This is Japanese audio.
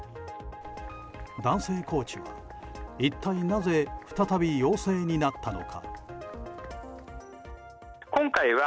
男性コーチは一体なぜ再び陽性になったのか。